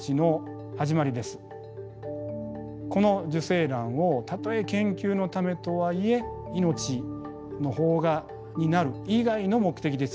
この受精卵をたとえ研究のためとはいえ命の萌芽になる以外の目的で使う。